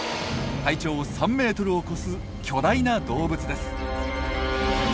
体長３ｍを超す巨大な動物です。